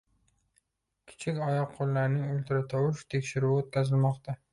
Kichik oyoq -qo'llarning ultratovush tekshiruvi o'tkazilmoqda